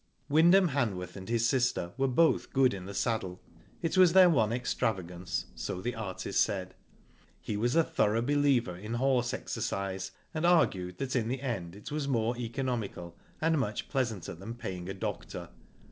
Wyndham Hanworth and his sister were both good in the saddle. It was their one extravagance, so the artist said. He was a thorough believer in H 2 Digitized byGoogk 100 WHO DID ITf horse exercise, and argued that in the end it was more economical, and much pleasanter than paying a doctor.